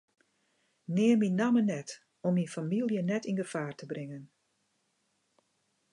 Neam myn namme net om myn famylje net yn gefaar te bringen.